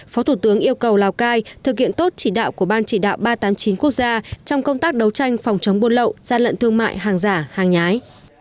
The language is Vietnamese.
phó thủ tướng yêu cầu lào cai thực hiện tốt chỉ đạo của ban chỉ đạo ba trăm tám mươi chín quốc gia trong công tác đấu tranh phòng chống buôn lậu gian lận thương mại hàng giả hàng nhái